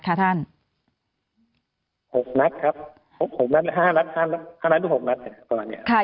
สำหรับกว่าครับ๕นัด